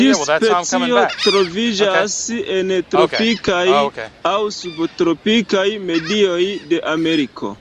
Tiu specio troviĝas en tropikaj aŭ subtropikaj medioj de Ameriko.